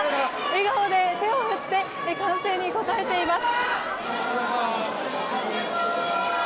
笑顔で手を振って歓声に応えています。